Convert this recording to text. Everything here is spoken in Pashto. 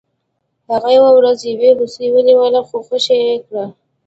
هغه یوه ورځ یو هوسۍ ونیوله خو خوشې یې کړه.